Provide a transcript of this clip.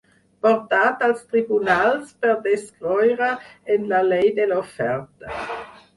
Portat als tribunals per descreure en la llei de l'oferta.